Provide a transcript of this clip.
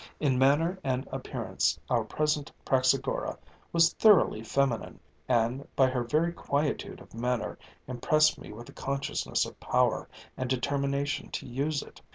In manner and appearance our present Praxagora was thoroughly feminine, and, by her very quietude of manner, impressed me with a consciousness of power, and determination to use it.